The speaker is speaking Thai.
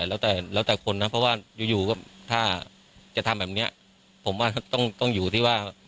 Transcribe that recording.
แล้วแต่คนนะเพราะว่าอยู่อยู่ก็ถ้าจะทำแบบเนี้ยผมว่าต้องต้องอยู่ที่ว่า